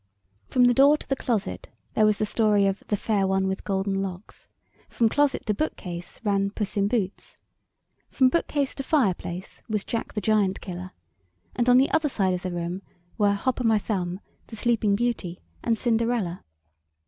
From the door to the closet there was the story of "The Fair One with Golden Locks;" from closet to bookcase, ran "Puss in Boots;" from bookcase to fireplace, was "Jack the Giant killer;" and on the other side of the room were "Hop o' my Thumb," "The Sleeping Beauty," and "Cinderella."